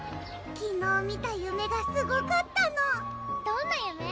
昨日見た夢がすごかったのどんな夢？